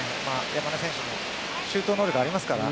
山根選手もシュート能力ありますから。